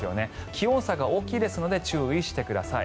気温差が大きいですので注意してください。